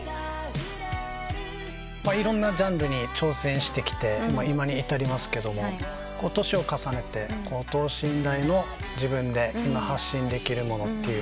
いろんなジャンルに挑戦してきて今に至りますけど年を重ねて等身大の自分で今発信できるものという。